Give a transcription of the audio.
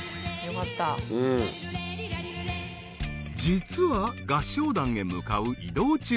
［実は合唱団へ向かう移動中］